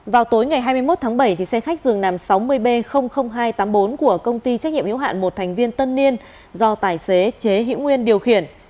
vào tối ngày hai mươi một tháng bảy xe khách dường nằm sáu mươi b hai trăm tám mươi bốn của công ty trách nhiệm yếu hạn một thành viên tân niên do tài xế chế hiễu nguyên điều khiển